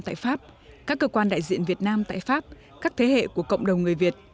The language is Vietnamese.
tại pháp các cơ quan đại diện việt nam tại pháp các thế hệ của cộng đồng người việt